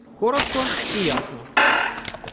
Коротко і ясно.